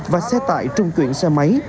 và xe tải trung chuyển xe máy